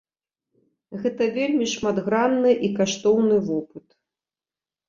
Гэта вельмі шматгранны і каштоўны вопыт.